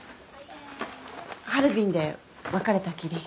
ハルビンで別れたきり